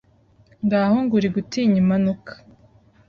ngaho ngo uri gutinya impanuka.